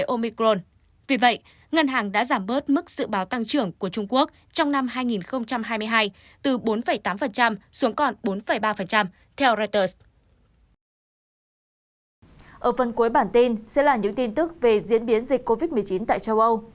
ở phần cuối bản tin sẽ là những tin tức về diễn biến dịch covid một mươi chín tại châu âu